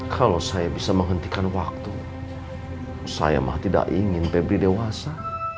kalau saya bisa menghentikan waktu saya mah tidak ingin pebri dewasa